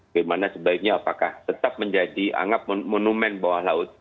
bagaimana sebaiknya apakah tetap menjadi anggap monumen bawah laut